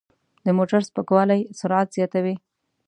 د موټر سپکوالی سرعت زیاتوي.